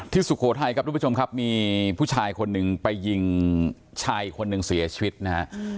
สุโขทัยครับทุกผู้ชมครับมีผู้ชายคนหนึ่งไปยิงชายคนหนึ่งเสียชีวิตนะฮะ